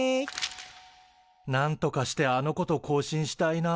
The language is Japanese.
なんとかしてあの子と交信したいな。